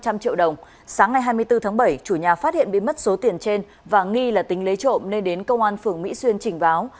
tại phiên tòa sơ thẩm vào sáng ngày hai mươi bốn tháng bảy chủ nhà phát hiện bị mất số tiền trên và nghi là tính lấy trộm nên đến công an phường mỹ xuyên trình báo